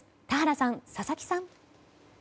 田原さん、佐々木さん。